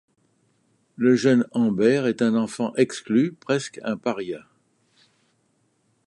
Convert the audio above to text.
Le jeune Amber est un enfant exclu, presque un paria.